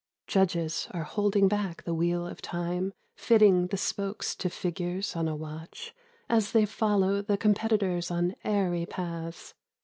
Judges are holding back the wheel of time Fitting the spokes to figures on a watch As they follow the competitors on airy paths.